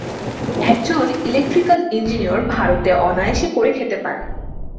একজন electrical engineer ভারতে অনায়াসে করে খেতে পারে।